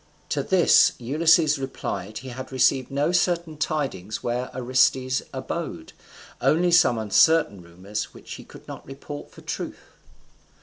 To this Ulysses replied that he had received no certain tidings where Orestes abode, only some uncertain rumours which he could not report for truth.